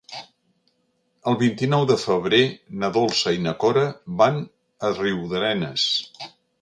El vint-i-nou de febrer na Dolça i na Cora van a Riudarenes.